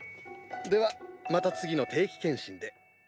ではまた次の定期検診で。